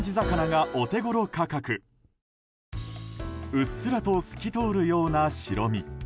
うっすらと透き通るような白身。